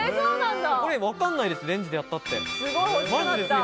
これわかんないです、レンジでやったって。